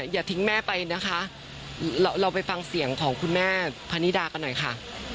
อย่าทิ้งแม่ไปนะคะ